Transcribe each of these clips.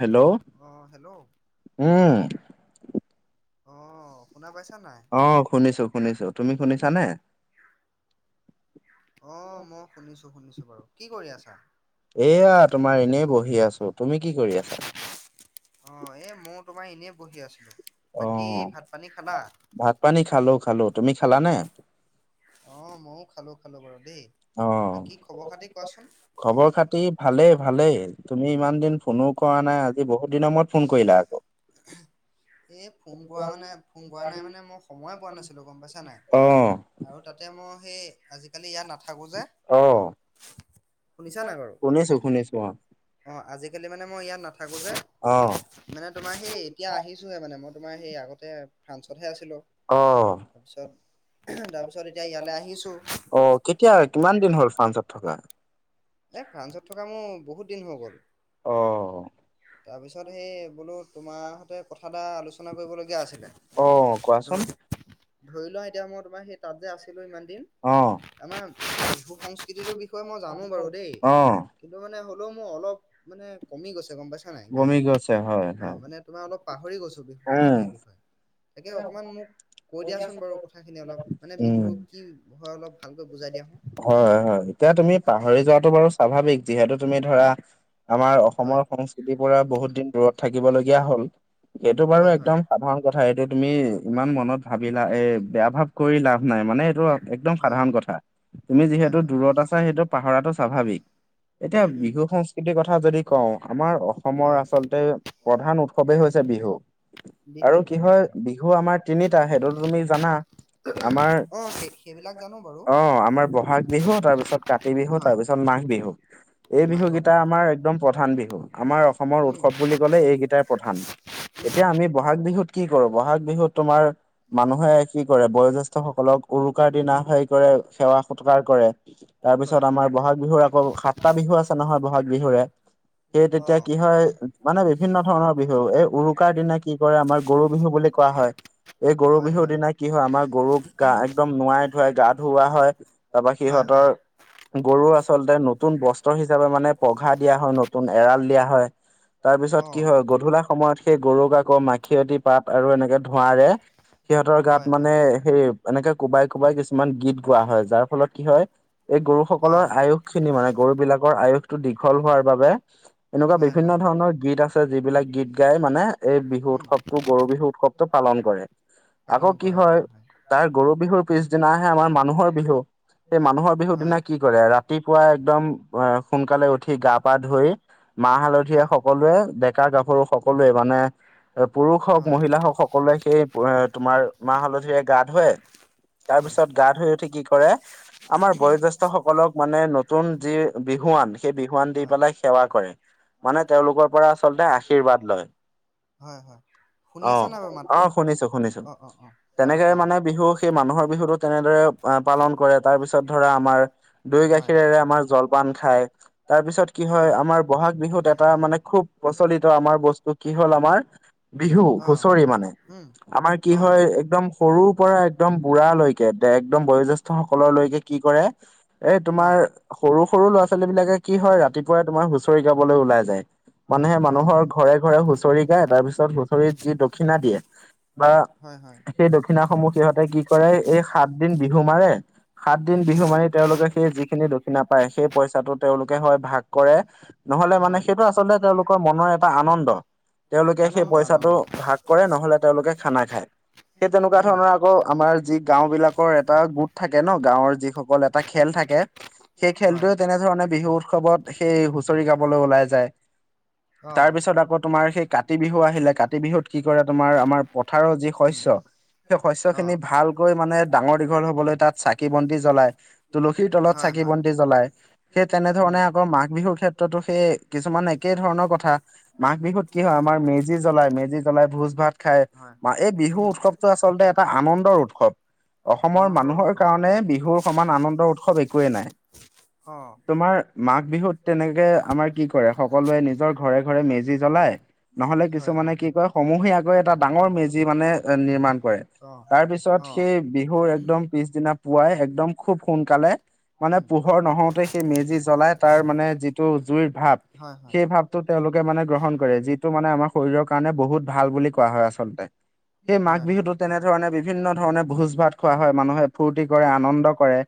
Hello, অঁ hello উম, অ শুনা পাইছা নাই? অ শুনিছো শুনিছো তুমি শুনিছানে? অহ মই শুনিছো শুনিছো বাৰু, কি কৰি আছা? এয়া তোমাৰ এনেই বহি আছো, তুমি কি কৰি আছা? অ এই মই তোমাৰ এনেই বহি আছিলো, অ বাকী ভাত পানী খালা? ভাত পানী খালো-খালো তুমি খালানে? অ মইয়ো খালো-খালো বাৰু দেই। অ, বাকী খবৰ খাতি কোৱাচোন খবৰ খাতি ভালেই ভালেই তুমি ইমান দিন ফোনও কৰা নাই আজি বহুত দিনৰ মূৰত ফোন কৰিলা আকৌ এই ফোন কৰা মানে ফোন কৰা নাই মানে মই সময়ে পোৱা নাছিলো গম পাইছা নাই অ আৰু তাতে মই সেই আজিকালি ইয়াত নাথাকো যে অ শুনিছা নাই বাৰু? শুনিছো শুনিছো অঁ আজিকালি মানে মই ইয়াত নাথাকোঁ যে, অ মানে তোমাৰ সেই এতিয়া আহিছোহে মানে মই তোমাৰ সেই আগতে ফ্ৰান্সতহে আছিলো অ অ তাৰপিছত, তাৰপিছত এতিয়া ইয়ালে আহিছো অ কেতিয়া, কিমান দিন হ'ল ফ্ৰান্সত থকা? এই ফ্ৰান্সত থকা মোৰ বহুত দিন হৈ গ'ল অ। তাৰপিছত সেই বোলো তোমাৰ সতে কথা এটা আলোচনা কৰিবলগীয়া আছিলে। অ কোৱাচো ধৰি লওঁ এতিয়া মই তোমাৰ সেই তাত যে আছিলোঁ ইমান দিন অ'। আমাৰ লোক সংস্কৃতিটোৰ বিষয়ে মই জানো বাৰু দেই অ কিন্তু মানে হ'লেও মোৰ অলপ মানে কমি গৈছে গম পাইছা নাই বমি জ্ঞানটো, গৈছে হয় অ, হয় মানে তোমাৰ অলপ পাহৰি গৈছো উম সংস্কৃতিৰ বিষয়ে তাকে অকণমান মোক কৈ দিয়াচোন বাৰু কথাখিনি অলপ মানে উম বিহুতো কি হয় অলপ ভালকৈ বুজাই দিয়া হয়-হয় হয় এতিয়া তুমি পাহৰি যোৱাটো বাৰু স্বাভাৱিক যিহেতু তুমি ধৰা আমাৰ হয় অসমৰ সংস্কৃতিৰ পৰা বহুত দিন দূৰত থাকিবলগীয়া হ'ল সেইটো বাৰু হয় হয় একদম সাধাৰণ কথা এইটো তুমি ইমান মনত ভাবিলা এ বেয়া ভাৱ কৰি লাভ নাই মানে এইটো একদম হয় হয় সাধাৰণ কথা। তুমি হয় যিহেতু দূৰত হয় আছা সেইটো পাহৰাটো স্বাভাৱিক। এতিয়া উম উম বিহু সংস্কৃতি সংস্কৃতিৰ কথা যদি কও আমাৰ অসমৰ হয় আচলতে প্ৰধান উৎসৱেই হৈছে বিহু বিহু আৰু - কি বিহু। হয় বিহু আমাৰ তিনিটা সেইটো তুমি জানা। আমাৰ অ সেই সেইবিলাক জানো বাৰু অ' আমাৰ ব'হাগ বিহু, তাৰপিছত কাতি বিহু, হয় তাৰ পিছত মাঘ বিহু। এই বিহু মাঘৰ কেইটা আমাৰ হয় একদম প্ৰধান বিহু আমাৰ অসমৰ উম উৎসৱ বুলি ক'লে এইকেইটাৰ প্ৰধান, এতিয়া আমি বহাগ বিহুত কি কৰো বহাগ বিহুত তোমাৰ মানুহে কি কৰে বয়োজ্যেষ্ঠ সকলক উৰুকাৰ দিনা হেৰি কৰে সেৱা সৎকাৰ কৰে তাৰ হয় পিছত হয় আমাৰ বহাগ বিহুৰ আকৌ সাতটা বিহু আছে নহয় বহাগ বিহুৰে সেই অ তেতিয়া কি হয় মানে বিভিন্ন ধৰণৰ বিহু এই উৰুকাৰ দিনা কি কৰে আমাৰ গৰু বিহু বুলি কোৱা হয়। এই গৰু বিহুৰ দিনা কি হয় আমাৰ গৰুক গা একদম নোৱাই ধুৱাই গা ধুওৱা হয়। তাৰপা হয় হয় সিহঁতৰ গৰু আচলতে নতুন বস্ত্ৰ হিচাপে মানে পঘা দিয়া হয় নতুন এৰাল দিয়া হয়। তাৰ অ পিছত কি হয় গধূলা সময়ত সেই গৰুক আকৌ মাখিয়তী পাত আৰু এনেকে ধোঁৱাৰে সিহঁতৰ হয় গাত মানে হয় সেই এনেকে কোবাই-কোবাই কিছুমান গীত গোৱা হয়, যাৰ ফলত কি হয় এই গৰু অ সকলৰ আয়ুস খিনি মানে গৰু বিলাকৰ আয়ুসটো দীঘল হোৱাৰ বাবে এনেকুৱা হয় বিভিন্ন হয় ধৰণৰ গীত আছে যিবিলাক গীত গাই মানে এই বিহু উম উৎসৱ গৰু বিহু উৎসৱটো পালন কৰে। আকৌ কি হয় তাৰ গৰু বিহুৰ পিছদিনাহে আমাৰ মানুহৰ বিহু সেই মানুহৰ বিহুৰ হয় দিনা কি কৰে ৰাতিপুৱাই একদম অ' সোনকালে উঠি উঠি গা পা ধুই মাহ হালধিৰে হয় সকলোৱে ডেকা-গাভৰু সকলোৱে মানে পুৰুষ হওক হয় মহিলা হওক সকলোৱে সেই তোমাৰ মাহ হালধিৰে গা ধুৱে। তাৰ হয় পিছত গা ধুই উঠি কি কৰে আমাৰ বয়োজ্যেষ্ঠ সকলক মানে নতুন যি বিহুৱান সেই বিহুৱান দি হয় পেলাই সেৱা কৰে মানে তেওঁলোকৰ পৰা আচলতে আশীৰ্বাদ লয়। হয়-হয়। অ'-অ' শুনিছোঁ-শুনিছো‍ঁ। অ অ বাৰু তেনেকে কোৱা মানে বিহু সেই মানুহৰ বিহুতটো তেনেদৰে পালন কৰে। তাৰপিছত ধৰা আমাৰ দৈ হয় গাখীৰেৰে আমাৰ জলপান খায়। তাৰপিছত কি উম হয় আমাৰ ব'হাগ বিহুত এটা মানে খুব প্ৰচলিত আমাৰ বস্তু কি হ'ল আমাৰ বিহু, অ হুচৰি মানে উম আমাৰ কি অ হয় একদম সৰু পৰা একদম বুঢ়া লৈ লৈকে একদম বয়োজ্যেষ্ঠ সকলৰলৈকে কি কৰে এই অ তোমাৰ সৰু-সৰু ল'ৰা-ছোৱালী বিলাকে কি হয় ৰাতিপুৱাই তোমাৰ হুঁচৰি গাবলৈ ওলাই যায় মানে অ মানুহৰ ঘৰে-ঘৰে হুচৰি গায় তাৰ পিছ তাত হুঁচৰিত যি দক্ষিণা দিয়ে বা হয় হয় সেই দক্ষিণাসমূহ সিহঁতে কি কৰে এই সাত দিন বিহু মাৰে সাত দিন বিহু হয় মাৰি তেওঁলোকে সেই যিখিনি দক্ষিণা পায় সেই পইচাটো তেওঁলোকে হয় ভাগ কৰে নহ'লে মানে হয় সেইটো আচলতে তেওঁলোকৰ মনৰ এটা আনন্দ, তেওঁলোকে সেই আনন্দ আনন্দ পইচাটো ভাগ কৰে নহ'লে তেওঁলোকে খানা খায়। সেই তেনেকুৱা উম ধৰণৰ আকৌ আমাৰ যি গাঁও বিলাকৰ এটা গোট থাকে ন' গাঁৱৰ যিসকল এটা খেল থাকে সেই হয় খেলটোৱে তেনেধৰণে বিহুৰ উৎসৱত সেই হুঁচৰি গাবলৈ ওলাই যায়, অ তাৰপিছত আকৌ তোমাৰ সেই কাতি বিহু আহিলে কাতি বিহুত কি কৰে তোমাৰ আমাৰ পথাৰৰ যি উম, শস্য সেই শস্য খিনি অ', ভালকৈ মানে ডাঙৰ দীঘল হবলৈ তাত চাকি বন্তি জ্বলাই। তুলসীৰ তলত হয়, চাকি হয়, বন্তি জ্বলাই সেই তে তেনে উম, ধৰণে আকৌ মাঘ বিহুৰ ক্ষেত্ৰতো সেই কিছুমান একে ধৰণৰ কথা। মাঘ বিহুত কি হয় উম, আমাৰ মেজি জ্বলাই মেজি জ্বলাই ভোজ ভাত খাই হয়, হয়, এই বিহু উম, উৎসৱটো আচলতে এটা আনন্দৰ উৎসৱ। অসমৰ আনন্দৰ মানুহৰ উৎসৱ হয়, কাৰণে বিহুৰ সমান আনন্দৰ উৎসৱ একোৱেই নাই। অ' তোমাৰ মাঘ বিহুত তেনেকে আমাৰ কি কৰে সকলোৱে নিজৰ ঘৰে-ঘৰে মেজি জ্বলায়। নহ'লে হয়, কিছুমানে হয়, কি কয় সমূহীয়াকৈ এটা ডাঙৰ মেজি মানে নিৰ্মাণ কৰে। অ', তাৰ পিছত অ', সেই বিহুৰ একদম পিছদিনা পুৱাই একদম খুব সোনকালে মানে উম, পোহৰ নহওঁতেই মেজি জ্বলাই তাৰ মানে যিটো জুইৰ ভাৱ হয়, হয়, সেই ভাৱটো তেওঁলোকে মানে গ্ৰহণ কৰে। যি টো মানে আমাৰ শৰীৰৰ কাৰণে বহুত ভাল বুলি কোৱা হয় আচলতে। সেই মাঘ হয়, হয়, বিহুতত তেনেধৰণে বিভিন্ন ধৰণে ভোজ ভাত খোৱা হয় মানুহে ফূৰ্তি কৰে আনন্দ কৰে।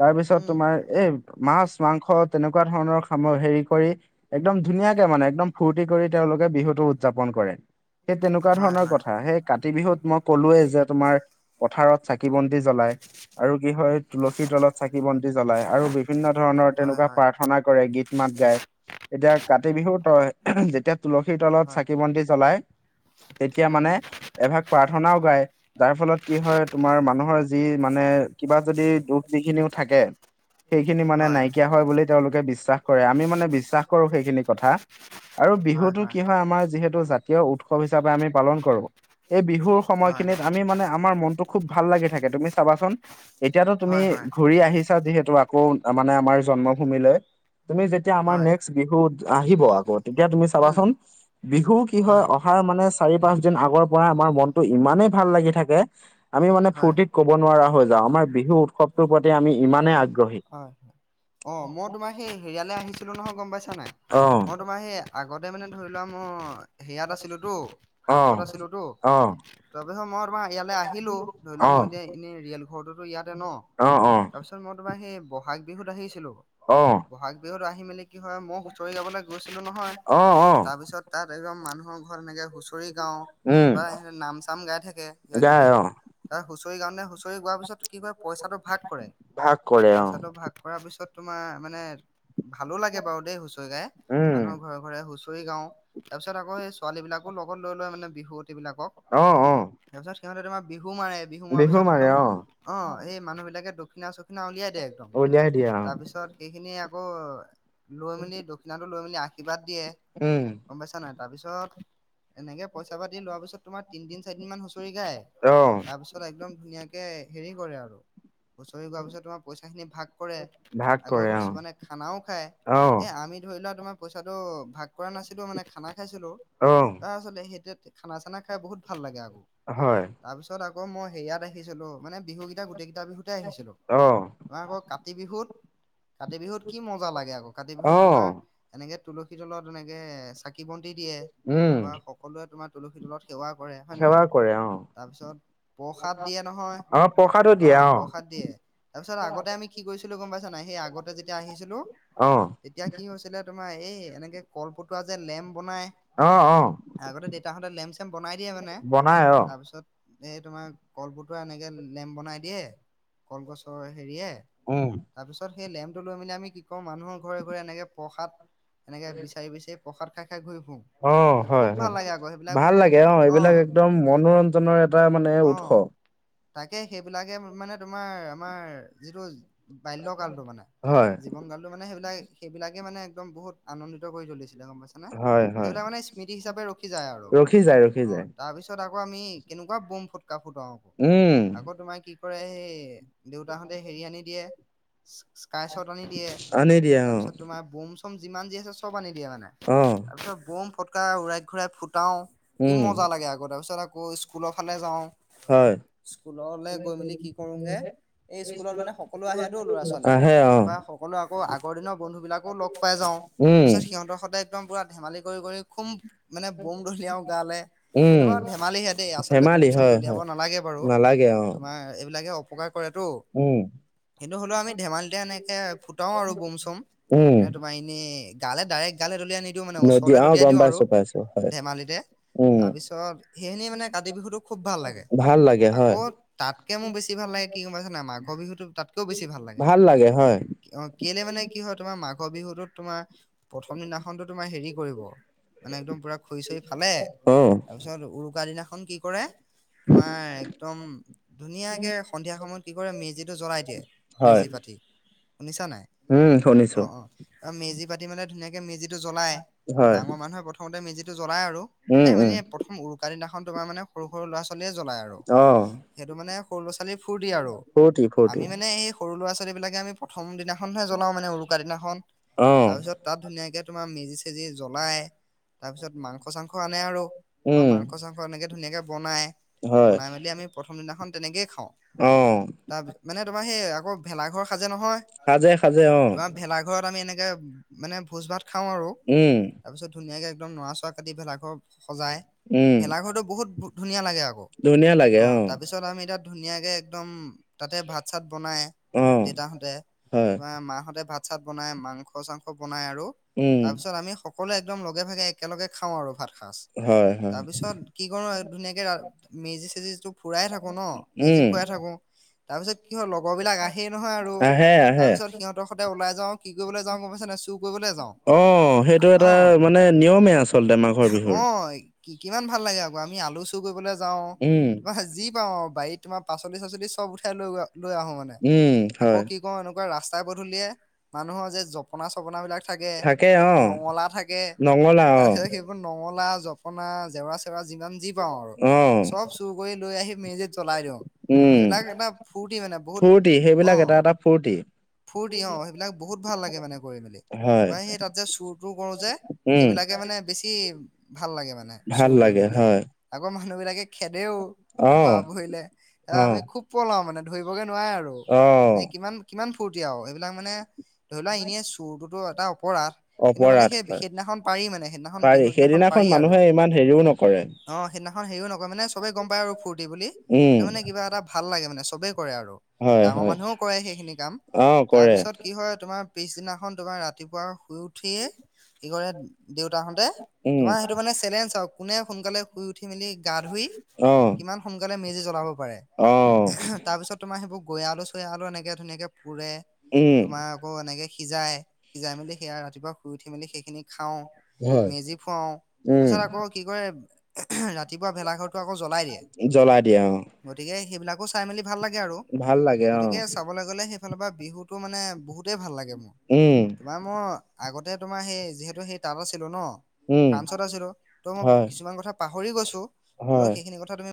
তাৰ পিছত উম, তোমাৰ এই মাছ মাংস তেনেকুৱা ধৰণৰ [unintelligible] হেৰি কৰি একদম ধুনীয়াকে মানে একদম ফূৰ্তি কৰি তেওঁলোক বিহুটো উদযাপন কৰে। সেই তেনেকুৱা হয়, ধৰণৰ হয়, কথা সেই কাতি বিহুত মই ক'লোৱেই যে তোমাৰ পথাৰত চাকি বন্তি জ্বলাই। আৰু কি হয় তুলসীৰ তলত চাকি বন্তি জ্বলাই আৰু বিভিন্ন ধৰণৰ হয়, হয়, তেনেকুৱা পাৰ্থ। হয়, প্ৰাৰ্থনা কৰে গীত মাত গায় এতিয়া কাতি বিহু তই যেতিয়া। তুলসীৰ উম, হয়, হয়, হয়, হয়, হয়, হয়, তলত হয়, চাকি বন্তি জ্বলাই তেতিয়া উম, মানে এভাগ প্ৰাৰ্থনাও গায়। যাৰ ফলত কি হয় তোমাৰ মানুহৰ যি মানে কিবা যদি দুখ বিঘিনিও থাকে। সেইখিনি মানে নাইকিয়া হয় বুলি তেওঁলোকে বিশ্বাস কৰে আমি মানে বিশ্বাস কৰো সেইখিনি কথা। আৰু বিহুত। আমাৰ যিহেতু জাতীয় উৎসৱ হিচাপে আমি পালন কৰো। এই বিহুৰ সময়খিনিত আমি মানে আমাৰ মনটো খুব ভাল লাগি থাকে তুমি চাবাচোন। এতিয়াতো তুমি ঘূৰি আহিছা, যিহেতু আকৌ মানে আমাৰ জন্মভূমিলৈ। তুমি যেতিয়া আমাৰ নেক্সট বিহু আহিব আকৌ তেতিয়া তুমি। চাবাচোন বিহু কি হয়? অহাৰ মানে চাৰি পাঁচ। আগৰ পৰা আমাৰ মনতটো ইমানেই ভাল লাগি থাকে, আমি মানে ফূৰ্তিত ক'ব নোৱাৰা হৈ যাওঁ। আমাৰ বিহু উৎসৱটোৰ প্ৰতি আমি ইমানে আগ্ৰহী। অঁ মই তোমাৰ সেই। হেৰিয়ালৈ আহিছিলোঁ নহয় গম পাইছা নাই অ', মই তোমাৰ সেই আগতে মানে ধৰি লোৱা মই। সেয়াত আছিলোতো, অ', ফ্ৰান্সত আছিলোতো। অ', তাৰপিছত মই তাৰ ইয়ালৈ আহিলো ধৰি লোৱা মই এতিয়া এনেই ৰিয়েল ঘৰটোতো ইয়াতে ন? অহ অহ। ত মই তোমাৰ সেই বহাগ বিহুত আহিছিলো। অহ। বহাগ বিহুত আহি মেলি কি হয়, মই হুঁচৰি গাবলে গৈছিলোঁ নহয়, অ', অ', তাৰপিছত। তাত একদম মানুহৰ ঘৰত এনেকে হুঁচৰি গাঁও। উম, বা স নাম চাম গাই থাকে কিবা গাই কিবি। অ', ছাৰ হুঁচৰি কাৰণে হুঁচৰি গোৱাৰ পিছত কি কৰে, পইচাটো ভাগ কৰে, ভাগ কৰে অ', পইচাটো ভাগ কৰাৰ পিছত। তোমাৰ মানে ভালো লাগে বাৰু দেই হুচৰি গাই উম। মানুহৰ ঘৰৰ। ঘৰে হুঁচৰি গাও তাৰ পিছত আকৌ সেই ছোৱালী বিলাকো লগত লৈ ল মানে বিহুৱতিবলাকক। অ', অ', তাৰ পিছত সিহঁতে তোমাৰ বিহু মাৰে বিহু মৰাৰ পিছত একদম অ এই মানুহ বিলাকে দক্ষিণা চ। দক্ষিণা উলিয়াই দিয়ে একদম, উলিয়াই দিয়ে তাৰ অ', পিছত সেইখিনি আকৌ। লৈ মেলি দক্ষিণাটো লৈ মেলি আশীৰ্বাদ দিয়ে উম, গম পাইছা নাই তাৰপিছত এনেকৈ। পইচা পাতি লোৱা পিছত তোমাৰ তিনদিন চাৰদিন মান হুচৰি গায় অ'। তাৰ পিছত। ত একদম ধুনীয়াকৈ হেৰি কৰে আৰু হুঁচৰি গোৱাৰ পিছত তোমাৰ পইচাখিনি ভাগ। কৰে ভাগ আগৰ কৰে অ', কিছুমানে খানাও খায় অ', এ আমি ধৰি লোৱা তোমাৰ। পইচাটো ভাগ কৰা নাছিলো মানে খানা খাইছিলো অ', তাৰ পাছতে সেই এতিয়া খানা চানা খাই বহুত ভাল লাগে আকৌ। হয়। তাৰ পিছত আকৌ মই সেয়াত আহিছিলো মানে বিহুকেইটা গোটেই কেইটা বিহুতে আহিছিলো। অ', তোমাৰ আকৌ কাতি বিহুত কাতি বিহুত কি মজা লাগে আকৌ কাতি বিহুত তোমাৰ। অ'। এনেকে তুলসী তলত এনেকে চাকি বন্তি দিয়ে উম, তাৰপৰা সকলোৱে তোমাৰ তুলসী তলত, সেৱা কৰে হয় সেৱা নহয়, কৰে অ', তাৰপিছত প্ৰসাদ দিয়ে নহয়, অ', প্ৰসাদো অ দিয়ে প্ৰসাদ দিয়ে। তাৰ পিছত আগতে আমি কি কৰিছিলো গম পাইছা নাই সেই আগতে যেতিয়া আহিছিলো। অ', তেতিয়া কি হৈছিলে তোমাৰ, এই এনেকৈ কলপতা যে লেম্প বনায়। অঁ অঁ। আগতে দেউতাহঁতে লেম্প চেম বনাই দিয়ে মানে বনাই অ', তাৰপিছত। এই তোমাৰ কল পটোৱা এনেকে লেম্প বনাই দিয়ে কলগছৰ হেৰিয়ে উম তাৰপিছত সেই লেম্পটো লৈ মেলি আমি কি কৰোঁ মানুহৰ ঘৰে ঘৰে এনেকে প্ৰসাদ এনেকে বিচাৰি বিচাৰি প্ৰসাদ খাই খাই ঘুৰি ফুৰো। অ খুব হয়। ভাল লাগে আকৌ সেইবিলাক ভাল বহুত লাগে। অঁ অ এইবিলাক একদম মনোৰঞ্জনৰ এটা মানে অ উৎস। তাকে সেইবিলাকে মানে তোমাৰ আমাৰ যিটো বাল্য কালটো মানে হয়। জীৱন কালটো মানে সেইবিলাক সেইবিলাকে মানে একদম বহুত আনন্দিত কৰি তুলিছিলে গম পাইছ নে হয়, হয়, সেইবিলাকে মানে স্মৃতি হিচাপে ৰখি আৰু ৰখি যায়, ৰখি অ যায়, তাৰ পিছত আকৌ আমি কেনেকুৱা বম ফটকা ফুটাও আকৌ উম। আকৌ তোমাৰ কি কৰে সেই দেউতাহঁতে হেৰি আনি দিয়ে। স্কাই শট আনি দিয়ে আনি দিয়ে অ তাৰপিছত তোমাৰ বম চম যিমান যি আছে। চব আনি দিয়ে মানে অ তাৰপিছত বম ফটকা উৰাই ঘূৰাই ফুটাও কি উম মজা লাগে আ তাৰপিছত আকৌ স্কুলৰ ফালে যাওঁ হয়। স্কুললৈ গৈ মেলি কি কৰোঁগে এই স্কুলত মানে সকলো আহেতো ল'ৰা ছোৱালী আহে অ তাৰপৰা সকলো আকৌ আগৰ দিনৰ বন্ধু বিলাকো লগ পাই যাওঁ। উম পিছত সিহঁতৰ সদায় একদম পুৰা ধেমালি কৰি কৰি খুম মানে বম দলিয়াও গালে সেইটো উম। বাৰো ধেমালিহে দেই আচলতে বম ধেমালি চম হয় দলিয়াব হয় নালাগে বাৰু তোমাৰ। অ এইবিলাকে অপকাৰ কৰেটো। উম সেইটো হ'লেও আমি ধেমালিতে এনেকে ফুটাও আৰু বম চম উম। এনে ত এনে গালে ডাইৰেক্ট গালে দলিয়াই নিদিওঁ মানে নদী ওচৰলৈ অ দলিয়াই গম দিওঁ আৰু। পাইছো পাইছো হয় ধেমালিতে উম তাৰপিছত সেইখিনি মানে কাতি বিহুটো খুব ভাল লাগে ভাল লাগে হয়। আকৌ তাতকে মোৰ বেছি ভাল লাগে কি গম পাইছ না মাঘৰ বিহুতো তাতকেও বেছি ভাল লাগে। অহ কেলে মানে কি হয় তোমাৰ মাঘৰ বিহুটোত তোমাৰ প্ৰথম দিনাখনতো তোমাৰ হেৰি কৰিব। মানে একদম পুৰা খৰি চৰি ফালে অ তাৰপিছত উৰুকা দিনাখন কি কৰে তোমাৰ একদম ধুনীয়াকে সন্ধিয়া সময়ত কি কৰে মেজিটো জ্বলাই দিয়ে হয় মেজি পাতি শুনিছা নাই। উম শুনিছোঁ। আৰু মেজি পাতি মানে ধুনীয়াকে মেজিটো জ্বলাই হয় ডাঙৰ মানুহে প্ৰথমতে মেজিটো জ্বলাই আৰু। উম এ উম। মানে প্ৰথম উৰুকা দিনাখন তোমাৰ মানে সৰু সৰু ল'ৰা ছোৱালীয়ে জ্বলায় আৰু। অহ। সেইটো মানে সৰু ল'ৰা ছোৱালী ফূৰ্তি আৰু ফূৰ্তি ফূৰ্তি আমি মানে সেই সৰু ল'ৰা ছোৱালী বিলাকে আমি প্ৰথম দিনাখনহে জ্বলাওঁ মানে উৰুকা দিনাখন অ তাৰপিছত তাত ধুনীয়াকে তোমাৰ মেজি চেজি জ্বলাই তাৰপিছত মাংস চাংস আনে আৰু তাৰ উম মাংস চাংস এনেকে ধুনীয়াকে বনায় হয় বনাই মেলি আমি প্ৰথম দিনাখন তেনেকেই খাওঁ। অহ। তাৰপি মানে তোমাৰ সেই আকৌ ভেলাঘৰ সাজে নহয়। সাজে সাজে অ। তোমাৰ ভেলাঘৰত আমি এনেকে মানে ভোজ ভাত খাওঁ আৰু উম তাৰ পিছত ধুনীয়াকে একদম নৰা চৰা কাটি পেলাই আকৌ সজাই উম ভেলাঘৰটো বহুত ধুনীয়া লাগে আকৌ। ধুনীয়া লাগে অ তাৰপিছত আমি এতিয়া। ধুনীয়াকে একদম তাতে ভাত চাত বনাই অ', দেতাহঁতে হয়, তোমাৰ মাহঁতে ভাত চাত বনাই মাংস চাংস বনাই আৰু উম, তাৰ পিছত আমি সকলোৱ একদম লগে ভাগে এক একেলগে খাওঁ আৰু ভাত সাজ হয়, হয়, তাৰ পিছত কি কৰোঁ ধুনীয়াকে মেজি চেজিটো ফুৰাই থাকোঁ ন মেজি উম, ফুৰাই থাকোঁ তাৰ পিছত কি হয় লগৰ বিলাক আহেই নহয় আৰু আহে, তাৰ আহে। পিছত সিহঁতৰ সতে ওলাই যাওঁ কি কৰিবলে যাওঁ গম পাইছ নাই চুৰ কৰিবলে যাওঁ। অ সেইটো এটা। অ মানে নিয়মে আচলতে আমাৰ অ কি কিমান ভাল লাগে আকৌ আমি আলু চ চু কৰিবলে যাওঁ উম, তোমাৰ যি পাওঁ আও বাৰীত তোমাৰ পাচলি চাচলি চব উঠাই লৈ লৈ আহোঁ মানে। নে উম, আকৌ হয়, কি কৰোঁ এনেকুৱা ৰাস্তাই পদূলিয়ে মানুহৰ যে জপ জপনা চপনাবিলাক থাকে নঙলা থাকে। নঙলা অ', তাৰপিছত সেইবোৰ নঙলা, জপনা, জেওৰা- চেউৰা যিমান যি পাওঁ আৰু অ', চব চুৰ কৰি লৈ আহি মেজিত জ্বলাই দিওঁ। উম, এইবিলাক এটা ফূৰ্তি মানে বহুত ফূৰ্তি অ সেইবিলাক এটা এটা ফূৰ্তি। ফূৰ্তি অ, সেইবিলাক বহুত ভাল লাগে মানে কৰি মেলি। হয়, তাৰপা সেই তাত যে চুৰ টোৰ কৰো যে উম, সেইবিলাক এ মানে বেছি ভাল লাগে মানে ভাল চুৰ কৰি লাগে মেলি হয়, আগৰ মানুহ বিলাকে খেদেও ধৰা অ', পৰিলে এ অ', আমি খুব পলাও মানে ধৰিবগে নোৱাৰে আৰু। অ, মানে কিমান -কিমান ফূৰ্তি আওঁ সেইবিলাক মানে ধৰি লোৱা এনে চুৰটোতো এটা ওপ পৰা কিন্তু মানে অপৰাধ সেই হয়, -সেইদিনাখন এ মানে সেইদিনাখন পাৰি বিহু দিনাখন সেইদিনাখন পাৰি আৰু। মানুহে ইমান হেৰিও নকৰে। অ, সেইদিনাখন হেৰিও নকয় মানে চবেই গম পায় আৰু ফূৰ্তি বুলি উম, তাৰ মানে কিবা এটা ভাল লাগে মানে চবেই কৰে আৰু হয়, ডাঙৰ হয়, মানুহেও কৰে সেইখিনি কাম অ', কৰে, তাৰপিছত কি হয় তোমাৰ পিছদিনাখন তোমাৰ ৰাতিপুৱা শুই উঠিয়ে [unintelligible] দেউতাহঁতে উম, তোমাৰ সেইটো মানে চেলেঞ্জ আৰু কোনে সোনকালে শুই উঠি মেলি গা ধুই অ', কিমান সোনকালে মেজি জ্বলাব পাৰে অ'। [unintelligible] তাৰপিছত তোমাৰ সেইবোৰ গৈ আলু, চৈ আলু এনেকৈ ধুনীয়াকৈ পোৰে উম। তোমাৰ আকৌ এনেকে সিজায় সিজাই মেলি সেয়া ৰাতিপুৱা শুই উঠি মেলি সেইখিনি খাও হয়। মেজি ফুৱাও উম, তাৰছত আকৌ কি কৰে ৰাতিপুৱা ভেলাঘৰটো আকৌ জ্বলাই দিয়ে। জ্বলাই দিয়ে অ', গতিকে সেইবিলাকো চাই মেলি ভাল লাগে আৰু ভাল লাগে গতিকে অ', চব কবলে গলে সেইফালৰ পৰা বিহুটো মানে বহুতেই ভাল লাগে মোৰ। উম, [unintelligible] মই আগতে তোমাৰ সেই যিহেতু সেই তাত আছিলো ন' উম, ফ্ৰান্সত আছিলো ত' হয়, কিছুমান কথা পাহৰি গৈছো হ'লেও হয়। সেইখিনি কথা তুমি